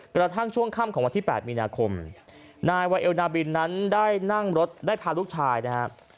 กระทั่งช่วงค่ำของวันที่๘มีนาคมนายวาเอลนาบินนั้นได้นั่งรถได้พาลูกชายนะครับ